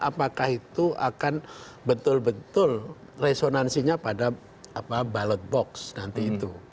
apakah itu akan betul betul resonansinya pada ballot box nanti itu